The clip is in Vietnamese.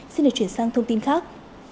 xin được chuyển sang thông tin khác